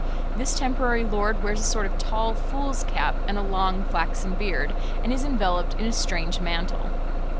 This temporary lord wears a sort of tall fool's cap and a long flaxen beard, and is enveloped in a strange mantle.